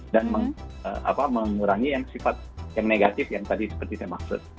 dan mengurangi yang sifat yang negatif yang tadi seperti saya maksud